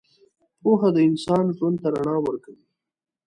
پوهه د انسان ژوند ته رڼا ورکوي.